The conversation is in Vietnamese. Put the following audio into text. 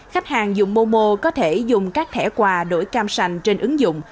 khách hàng dùng momo có thể dùng các thẻ quà đổi cam sành trên ứng dụng